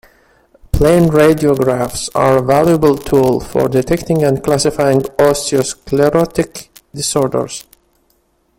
Plain radiographs are a valuable tool for detecting and classifying osteosclerotic disorders.